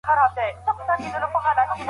پوهه د هر چا حق دی.